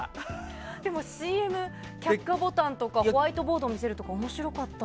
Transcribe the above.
でも、ＣＭ却下ボタンとかホワイトボードを見せるとか面白かった。